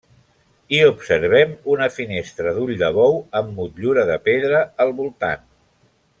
Hi observem una finestra d'ull de bou amb motllura de pedra al voltant.